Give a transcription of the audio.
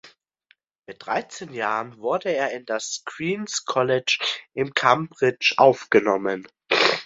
Mit dreizehn Jahren wurde er in das Queens’ College in Cambridge aufgenommen.